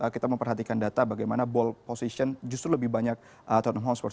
kita memperhatikan data bagaimana ball position justru lebih banyak ton housepur